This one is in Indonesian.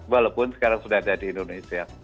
walaupun sekarang sudah ada di indonesia